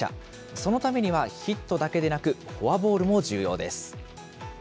そのためにはヒットだけでなく、フォアボールも重要です。